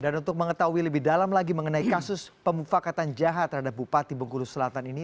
dan untuk mengetahui lebih dalam lagi mengenai kasus pemufakatan jahat terhadap bupati bengkulu selatan ini